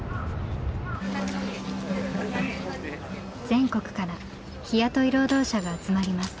全国から日雇い労働者が集まります。